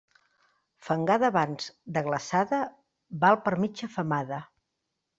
Fangada abans de glaçada val per mitja femada.